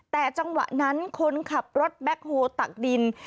แต่จังหวะนั้นคนขับรถแบ็คโฮลตักดิน